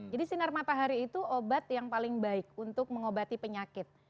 jadi sinar matahari itu obat yang paling baik untuk mengobati penyakit